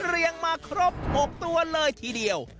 เรียงมาครบ๖ตัวเลยทีเดียว